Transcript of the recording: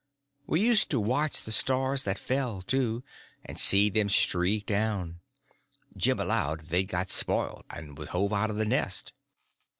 We used to watch the stars that fell, too, and see them streak down. Jim allowed they'd got spoiled and was hove out of the nest.